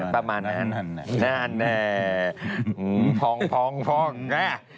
ประมาณนั้นนั่นแหละ